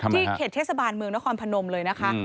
เขตเทศบาลเมืองนครพนมเลยนะคะ